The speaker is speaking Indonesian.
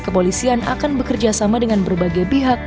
kepolisian akan bekerjasama dengan berbagai pihak